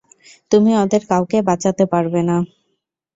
তুমি ওদের কাউকে বাঁচাতে পারবে না।